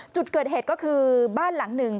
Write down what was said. จุดเกิดเหตุก็คือบ้านหลังหนึ่ง